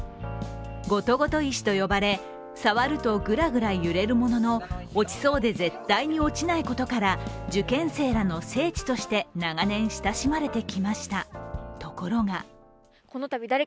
ゴトゴト石と呼ばれ、触るとグラグラ揺れるものの落ちそうで絶対に落ちないことから受験生らの聖地として長年親しまれてきました。